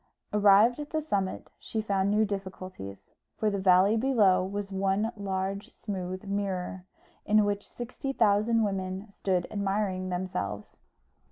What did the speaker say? Arrived at the summit she found new difficulties; for the valley below was one large smooth mirror, in which sixty thousand women stood admiring themselves.